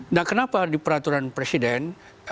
nah kenapa di peraturan presiden